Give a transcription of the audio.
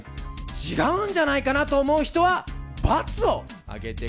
違うんじゃないかなと思う人は×を上げてください。